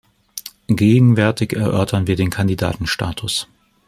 Gegenwärtig erörtern wir den Kandidatenstatus.